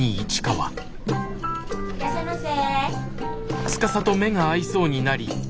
いらっしゃいませ。